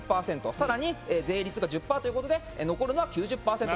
さらに税率が１０％ということで残るのは９０％。